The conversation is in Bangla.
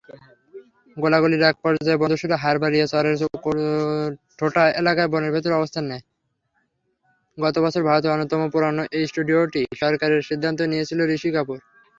গত বছর ভারতের অন্যতম পুরোনো এই স্টুডিওটি সংস্কারের সিদ্ধান্ত নিয়েছিলেন ঋষি কাপুর।